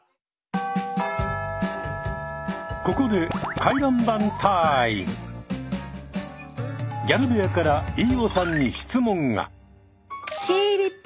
ここでギャル部屋から飯尾さんに質問が。